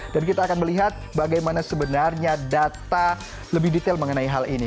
dan kita akan melihat bagaimana sebenarnya data lebih detail mengenai hal ini